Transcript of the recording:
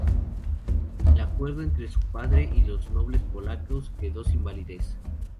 El acuerdo entre su padre y los nobles polacos quedó sin validez.